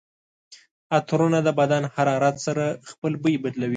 عطرونه د بدن حرارت سره خپل بوی بدلوي.